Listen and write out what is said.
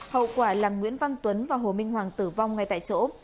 hậu quả làm nguyễn văn tuấn và hồ minh hoàng tử vong ngay tại chỗ